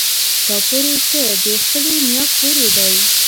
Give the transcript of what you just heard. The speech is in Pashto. تا پورې څه د خپلې نيا کور يې دی.